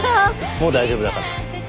もう大丈夫だから。